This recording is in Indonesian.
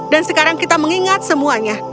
sekarang kita mengingat semuanya